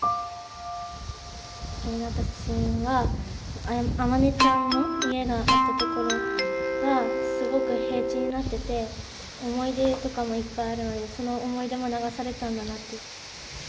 気になった写真は天音ちゃんの家があったところがすごく平地になってて思い出とかもいっぱいあるのでその思い出も流されたんだなって。